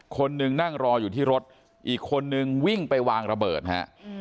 คนหนึ่งนั่งรออยู่ที่รถอีกคนนึงวิ่งไปวางระเบิดฮะ